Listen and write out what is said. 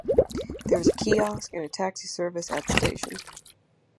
There is a kiosk and a taxi service at the station.